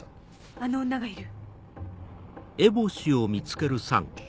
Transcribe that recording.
あの女がいる。